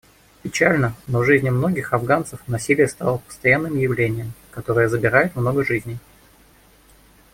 Печально, но в жизни многих афганцев насилие стало постоянным явлением, которое забирает много жизней.